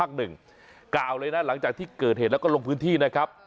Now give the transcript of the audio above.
กล่าวเลยนะหลังจากที่เกิดเหตุแล้วก็ลงพื้นที่นะครับ